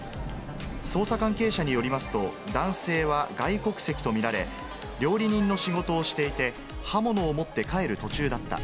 捜査関係者によりますと、男性は外国籍と見られ、料理人の仕事をしていて、刃物を持って帰る途中だった。